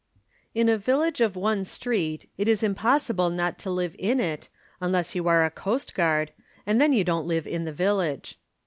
In a village of one street it is impossible not to live in it, unless you are a coastguard, and then you don't live in the village.